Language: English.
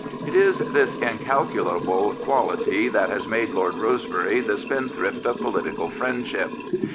It is this incalculable quality that has made Lord Rosebery the spendthrift of political friendship.